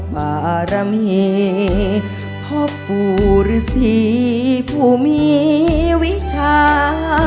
พบารมีพบปูรศีผู้มีวิชา